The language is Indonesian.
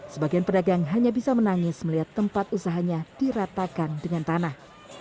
sebagian pedagang hanya bisa menangis melihat tempat usahanya diratakan dengan tanah